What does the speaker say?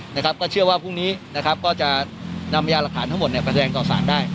ในขณะแจ้งต่อสารได้